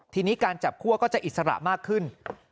ทีนี้การจับคั่วก็จะอิสระมากขึ้น